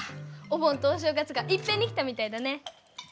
お盆とお正月がいっぺんに来たみたいだね。